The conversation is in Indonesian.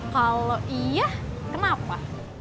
kalau iya kenapa